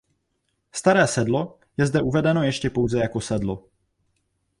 Staré Sedlo je zde uvedeno ještě pouze jako Sedlo.